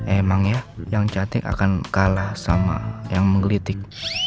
emang ya yang cantik akan kalah sama yang menggelitik